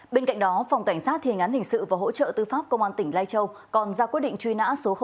bên cạnh đó phòng cảnh sát thiên án hình sự và hỗ trợ tư pháp công an tỉnh lai châu còn ra quyết định truy nã số hai